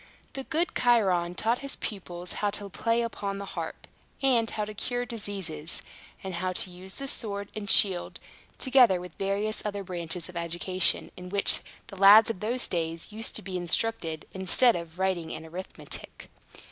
The good Chiron taught his pupils how to play upon the harp, and how to cure diseases, and how to use the sword and shield, together with various other branches of education, in which the lads of those days used to be instructed, instead of writing and arithmetic.